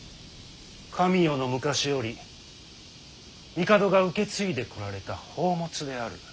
神代の昔より帝が受け継いでこられた宝物である。